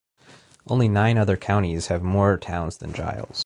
Only nine other counties have more towns than Giles.